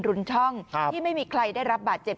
รุนช่องที่ไม่มีใครได้รับบาดเจ็บ